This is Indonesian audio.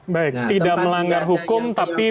baik tidak melanggar hukum tapi paling tidak tidak ada